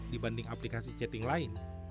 dibanding aplikasi chatting lain